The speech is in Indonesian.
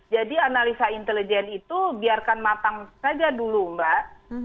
jadi analisa intelijen itu biarkan matang saja dulu mbak